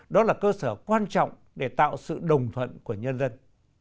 đó là cơ sở quan trọng để tạo sự đồng thuận của nhân dân